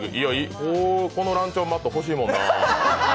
このランチョンマット、欲しいもんなあ。